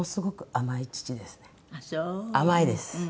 甘いです。